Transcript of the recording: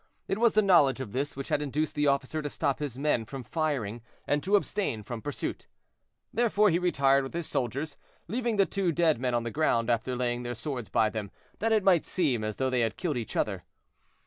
It was the knowledge of this which had induced the officer to stop his men from firing, and to abstain from pursuit. Therefore he retired with his soldiers, leaving the two dead men on the ground after laying their swords by them, that it might seem as though they had killed each other.